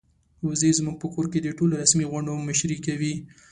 وزې زموږ په کور کې د ټولو رسمي غونډو مشري کوي.